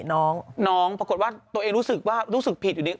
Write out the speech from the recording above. น้องน้องปรากฏว่าตัวเองรู้สึกว่ารู้สึกผิดอยู่ดี